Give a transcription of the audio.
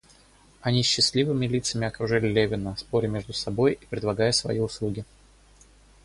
Они с счастливыми лицами окружили Левина, споря между собой и предлагая свои услуги.